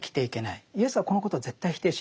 イエスはこのことを絶対否定しないですね。